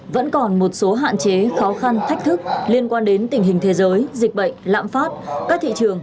vẫn còn một số hạn chế khó khăn thách thức liên quan đến tình hình thế giới dịch bệnh lãm phát các thị trường